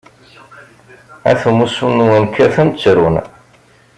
Ayt umussu-nwen kkaten, ttrun.